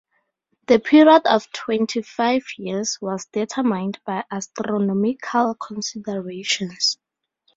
The period of twenty-five years was determined by astronomical considerations.